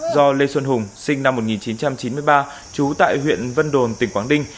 do lê xuân hùng sinh năm một nghìn chín trăm chín mươi ba trú tại huyện vân đồn tỉnh quảng ninh